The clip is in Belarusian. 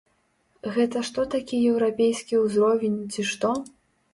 Гэта што такі еўрапейскі ўзровень, ці што?